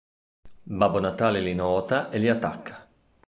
Babbo Natale li nota e li attacca.